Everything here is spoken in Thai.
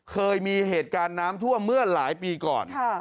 เคยมีเหตุการณ์น้ำท่วมเมื่อหลายปีก่อน